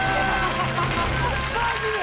マジで？